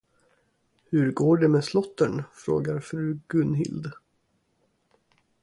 Hur går det med slåttern. frågar fru Gunhild.